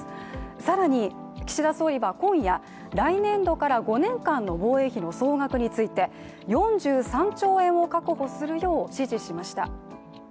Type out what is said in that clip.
更に岸田総理は今夜、来年度から５年間の防衛費の総額について４３兆円を確保するよう指示しました。